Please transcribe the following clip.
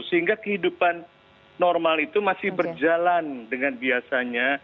sehingga kehidupan normal itu masih berjalan dengan biasanya